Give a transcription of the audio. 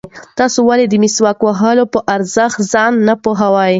تاسې ولې د مسواک وهلو په ارزښت ځان نه پوهوئ؟